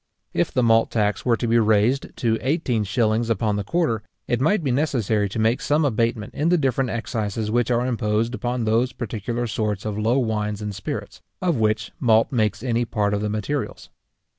If the malt tax were to be raised to eighteen shillings upon the quarter, it might be necessary to make some abatement in the different excises which are imposed upon those particular sorts of low wines and spirits, of which malt makes any part of the materials.